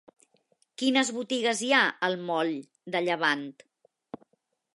Quines botigues hi ha al moll de Llevant?